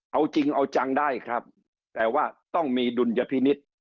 เอาจริงเอาจังได้ครับแต่ว่าต้องมีดุลยพินิษฐ์